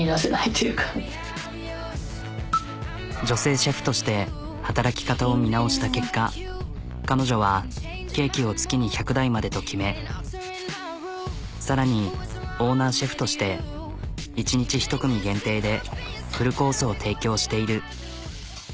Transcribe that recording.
女性シェフとして働き方を見直した結果彼女はケーキを月に１００台までと決めさらにオーナーシェフとして一日１組限定でフルコースを提供している。